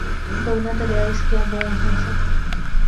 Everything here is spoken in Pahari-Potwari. بغنا دریا ، اس کیا بہوں اہم سا